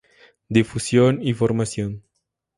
Difusión y formación.